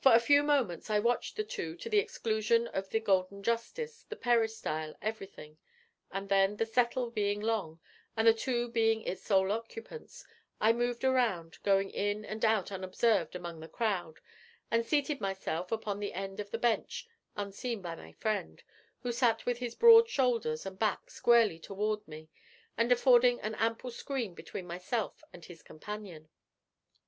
For a few moments I watched the two, to the exclusion of the golden Justice, the peristyle, everything; and then, the settle being long, and the two being its sole occupants, I moved around, going in and out unobserved among the crowd, and seated myself upon the end of the bench, unseen by my friend, who sat with his broad shoulders and back squarely toward me, and affording an ample screen between myself and his companion.